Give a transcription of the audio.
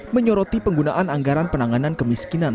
menyoroti penggunaan anggaran penanganan kemiskinan